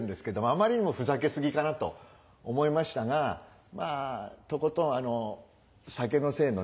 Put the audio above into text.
あまりにもふざけ過ぎかなと思いましたがまあとことんあの酒の精のね